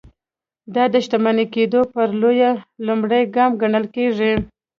دا د شتمن کېدو پر لور لومړی ګام ګڼل کېږي.